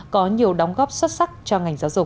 có nhiều đóng góp xuất sắc cho ngành giáo dục